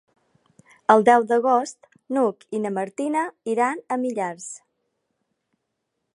El deu d'agost n'Hug i na Martina iran a Millars.